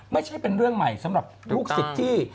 ไม่ใช่เป็นเรื่องใหม่สำหรับลูกศิษย์ที่